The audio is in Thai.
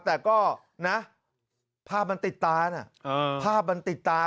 แต่ก็นะภาพมันติดตานะภาพมันติดตา